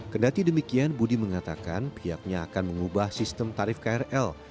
kedati demikian budi mengatakan pihaknya akan mengubah sistem tarif krl